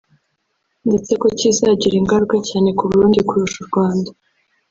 ndetse ko kizagira ingaruka cyane ku Burundi kurusha u Rwanda